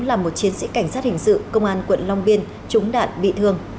làm một chiến sĩ cảnh sát hình sự công an quận long biên trúng đạn bị thương